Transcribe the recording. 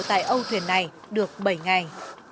tại âu thuyền này được bảy ngày